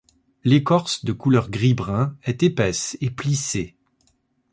L'écorce de couleur gris-brun est épaisse et plissée.